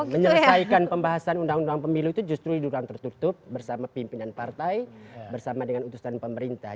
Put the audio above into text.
menyelesaikan pembahasan undang undang pemilu itu justru di ruang tertutup bersama pimpinan partai bersama dengan utusan pemerintah